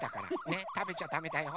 ねたべちゃダメだよ。